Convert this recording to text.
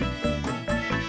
aku mau berbual